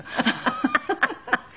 ハハハハ。